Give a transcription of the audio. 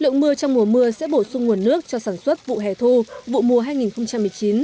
lượng mưa trong mùa mưa sẽ bổ sung nguồn nước cho sản xuất vụ hè thu vụ mùa hai nghìn một mươi chín